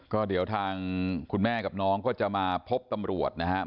ก็เดี๋ยวทางคุณแม่กับน้องก็จะมาพบตำรวจนะครับ